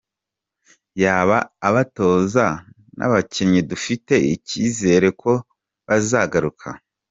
Yaba abatoza n’abakinnyi dufite icyizere ko bazagaruka.